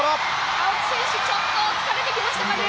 青木選手、ちょっと疲れてきましたかね。